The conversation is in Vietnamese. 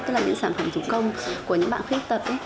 tức là những sản phẩm chủ công của những bạn khuyết tật